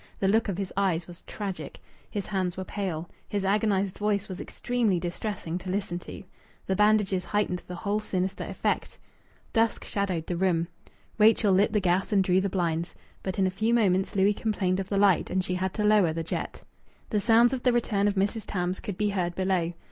The look of his eyes was tragic. His hands were pale. His agonized voice was extremely distressing to listen to. The bandages heightened the whole sinister effect. Dusk shadowed the room. Rachel lit the gas and drew the blinds. But in a few moments Louis complained of the light, and she had to lower the jet. The sounds of the return of Mrs. Tams could be heard below.